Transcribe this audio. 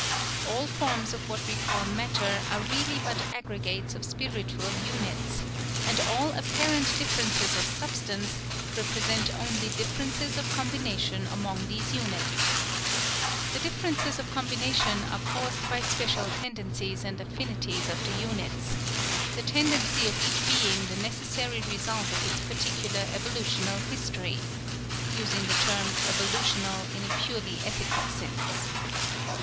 All forms of what we call matter are really but aggregates of spiritual units; and all apparent differences of substance represent only differences of combination among these units. The differences of combination are caused by special tendencies and affinities of the units; the tendency of each being the necessary result of its particular evolutional history (using the term "evolutional" in a purely ethical sense).